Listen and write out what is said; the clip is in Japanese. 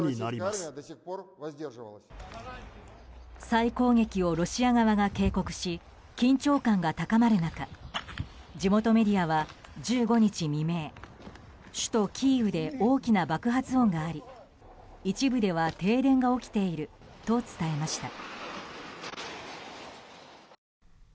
再攻撃をロシア側が警告し緊張感が高まる中地元メディアは１５日未明首都キーウで大きな爆発音があり一部では停電が起きていると伝えました。